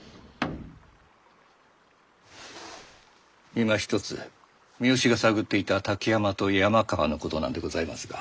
いまひとつ三好が探っていた滝山と山川のことなんでございますが。